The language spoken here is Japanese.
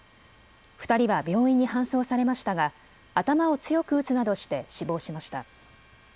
２人は病院に搬送されましたが頭を強く打つなどして死亡しました。